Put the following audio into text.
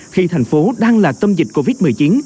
khi thành phố đang là tâm dịch covid một mươi chín